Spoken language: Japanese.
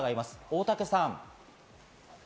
大竹さん。